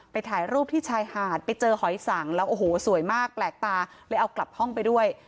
ถ่ายรูปที่ชายหาดไปเจอหอยสังแล้วโอ้โหสวยมากแปลกตาเลยเอากลับห้องไปด้วย